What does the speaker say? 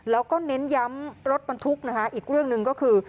แล้วก็เน้นย้ำรถบรรทุกนะคะอีกเรื่องหนึ่งก็คือ